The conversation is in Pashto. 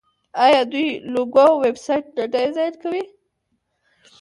آیا دوی لوګو او ویب سایټ نه ډیزاین کوي؟